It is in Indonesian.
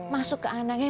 masuk ke anaknya